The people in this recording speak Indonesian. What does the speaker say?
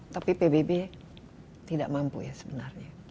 tapi pbb tidak mampu ya sebenarnya